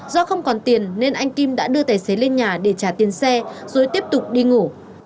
do không còn tiền nên anh kim đã đưa tài xế lên nhà để trả tiền xe rồi tiếp tục đi ngủ